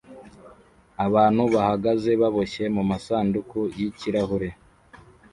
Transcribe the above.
Abantu bahagaze baboshye mumasanduku yikirahure